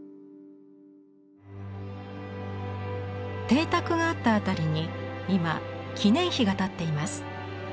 邸宅があった辺りに今記念碑が立っています。